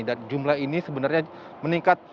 dan jumlah ini sebenarnya meningkat